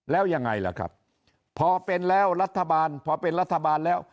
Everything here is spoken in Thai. แล้วยังไงล่ะครับพอเป็นแล้วรัฐบาลพอเป็นรัฐบาลแล้ว